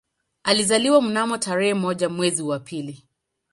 Alizaliwa mnamo tarehe moja mwezi wa pili